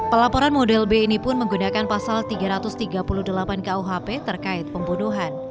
pelaporan model b ini pun menggunakan pasal tiga ratus tiga puluh delapan kuhp terkait pembunuhan